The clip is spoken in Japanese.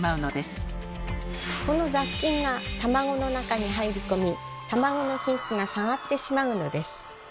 この雑菌が卵の中に入り込み卵の品質が下がってしまうのです。